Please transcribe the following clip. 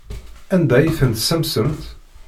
Anda ay ten-tessamsemt?